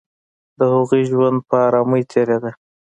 د هغوی ژوند په آرامۍ تېرېده